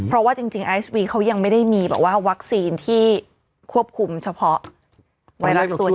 เพราะว่าจริงไอซ์วีเขายังไม่ได้มีแบบว่าวัคซีนที่ควบคุมเฉพาะไวรัสตัวนี้